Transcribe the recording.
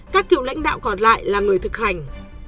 các cựu lãnh đạo còn lại là người thực hành